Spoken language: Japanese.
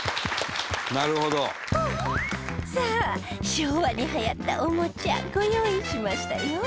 さあ、昭和にはやったおもちゃ、ご用意しましたよ